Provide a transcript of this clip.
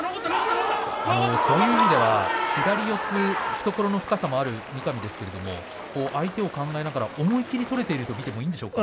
そういう意味では左四つ、懐の深さもある、三上ですけれど相手を考えながら思い切り取れていると見ていいですか。